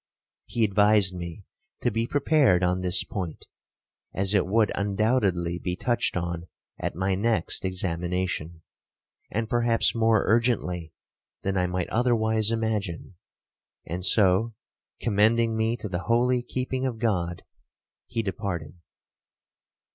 He advised me to be prepared on this point, as it would undoubtedly be touched on at my next examination, and perhaps more urgently than I might otherwise imagine; and so, commending me to the holy keeping of God, he departed.